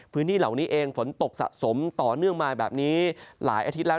พื้นที่เหล่านี้เองฝนตกสะสมต่อเนื่องมาแบบนี้หลายอาทิตย์แล้ว